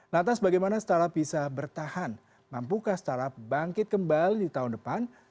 lantas bagaimana startup bisa bertahan mampukah startup bangkit kembali di tahun depan